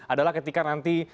adalah ketika nanti